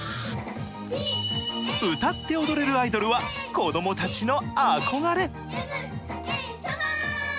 歌って踊れるアイドルは子供たちの憧れ。